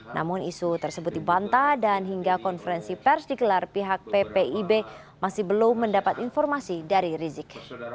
namun isu tersebut dibantah dan hingga konferensi pers dikelar pihak ppib masih belum mendapat informasi dari rizik